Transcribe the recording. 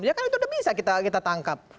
ya kan itu udah bisa kita tangkap